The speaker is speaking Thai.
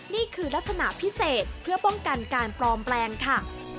นี่คือลักษณะพิเศษเพื่อป้องกันการปลอมแปลงค่ะ